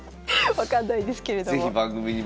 分かんないですけれども。